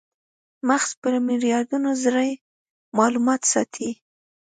مغز په میلیاردونو ذرې مالومات ساتي.